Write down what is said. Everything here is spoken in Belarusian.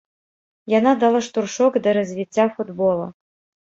Яна дала штуршок да развіцця футбола.